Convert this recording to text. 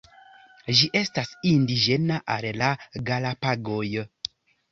Ĝi estas indiĝena al la Galapagoj.